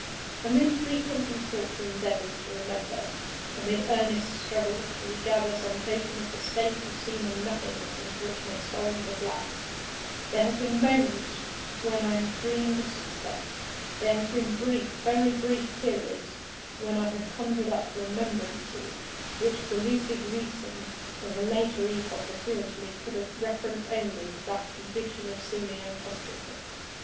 Amid frequent and thoughtful endeavors to remember; amid earnest struggles to regather some token of the state of seeming nothingness into which my soul had lapsed, there have been moments when I have dreamed of success; there have been brief, very brief periods when I have conjured up remembrances which the lucid reason of a later epoch assures me could have had reference only to that condition of seeming unconsciousness.